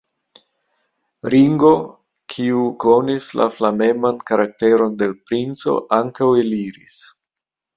Ringo, kiu konis la flameman karakteron de l' princo, ankaŭ eliris.